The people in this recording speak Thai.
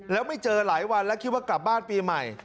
แล้วไม่เจอหลายวันแล้วคิดว่ากลับบ้านปีใหม่